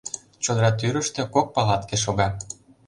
Чодыра тӱрыштӧ кок палатке шога.